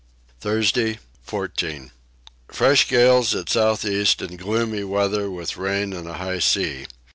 Thursday 14. Fresh gales at south east and gloomy weather with rain and a high sea.